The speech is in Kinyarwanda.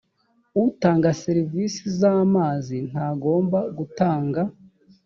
utanga serivisi z amazi ntagomba gutanga